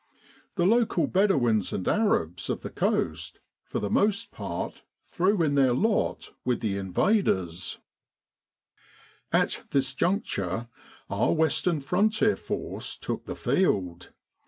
The local Bedouins and Arabs of the coast for the most part threw in their lot with the invaders. At this juncture our Western Frontier Force took 102 The Defence of Egypt on the West the field.